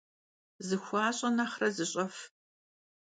Zıxuaş'e nexhre zış'ef.